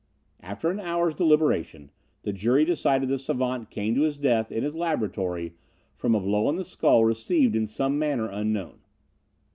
After an hour's deliberation the jury decided the savant came to his death in his laboratory from a blow on the skull received in some manner unknown.